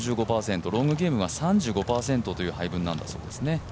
ロングゲームは３５％という配分だそうですね。